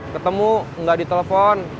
ketemu gak ditelepon